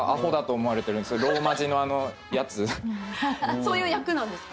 そういう役なんですか？